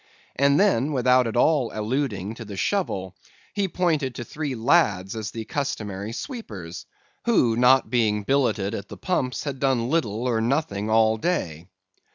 And then, without at all alluding to the shovel, he pointed to three lads as the customary sweepers; who, not being billeted at the pumps, had done little or nothing all day.